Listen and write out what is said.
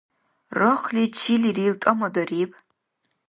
Рахли чилирил тӀамадариб: